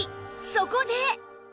そこで！